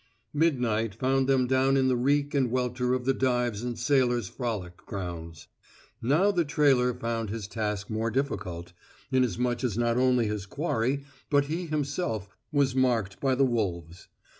Midnight found them down in the reek and welter of the dives and sailors' frolic grounds. Now the trailer found his task more difficult, inasmuch as not only his quarry but he himself was marked by the wolves.